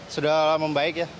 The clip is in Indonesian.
sudah membaik ya